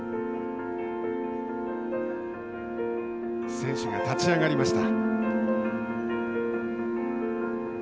選手が立ち上がりました。